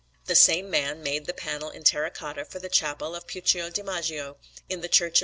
The same man made the panel in terra cotta for the Chapel of Puccio di Magio, in the Church of S.